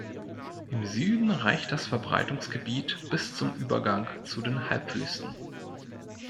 Im Süden reicht das Verbreitungsgebiet bis zum Übergang zu den Halbwüsten.